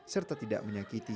serta tidak menyakitkan